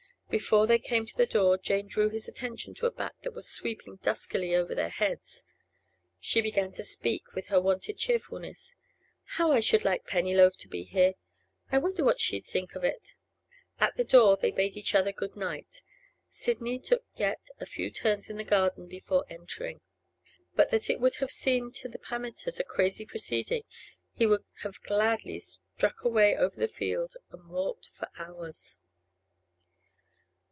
Before they came to the door Jane drew his attention to a bat that was sweeping duskily above their heads; she began to speak with her wonted cheerfulness. 'How I should like Pennyloaf to be here! I wonder what she'd think of it?' At the door they bade each other good night. Sidney took yet a few turns in the garden before entering. But that it would have seemed to the Pammenters a crazy proceeding, he would have gladly struck away over the fields and walked for hours.